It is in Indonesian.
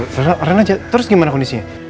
stop rena jatuh terus gimana kondisinya